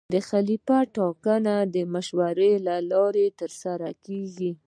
د خلیفه ټاکنه د مشورې له لارې ترسره کېږي.